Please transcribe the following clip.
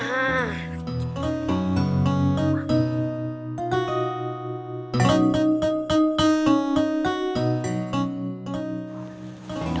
itu tinduk pada tidur